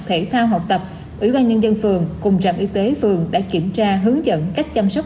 thể thao học tập ủy ban nhân dân phường cùng trạm y tế phường đã kiểm tra hướng dẫn cách chăm sóc